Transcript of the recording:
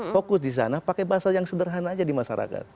fokus di sana pakai bahasa yang sederhana aja di masyarakat